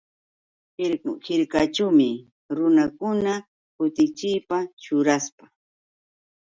Hirkaćhuumi runakuna kutichiyta ćhurasqa.